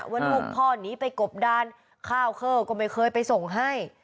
ว่าลูกพ่อหนีไปกบดานข้าวเข้าก็ไม่เคยไปส่งให้